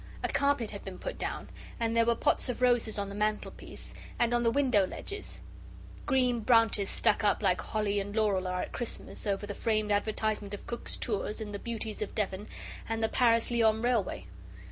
A carpet had been put down and there were pots of roses on the mantelpiece and on the window ledges green branches stuck up, like holly and laurel are at Christmas, over the framed advertisement of Cook's Tours and the Beauties of Devon and the Paris Lyons Railway.